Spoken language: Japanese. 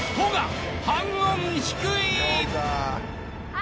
あ！